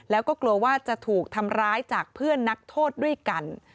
แล้วก็กลัวว่าจะถูกทำร้ายจากเพื่อนนักโทษด้วยกัน